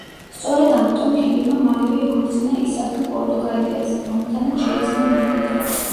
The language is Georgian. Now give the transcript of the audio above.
სწორედ ამიტომ, ფილიპმა მალევე იქორწინა ისაბელ პორტუგალიელზე, რომელთანაც შეეძინა მემკვიდრე.